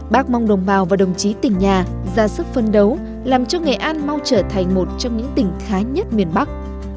bác mong đồng bào và đồng chí tỉnh nhà ra sức phân đấu làm cho nghệ an mau trở thành một trong những tỉnh khá nhất miền bắc